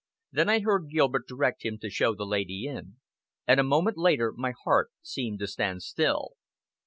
Then I heard Gilbert direct him to show the lady in; and a moment later my heart seemed to stand still.